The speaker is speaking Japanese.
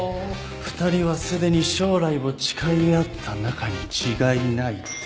２人はすでに将来を誓い合った仲に違いないってね。